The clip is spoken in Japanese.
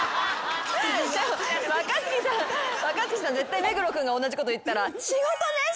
若槻さん絶対目黒君が同じこと言ったら。